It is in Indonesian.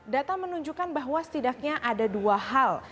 data menunjukkan bahwa setidaknya ada dua hal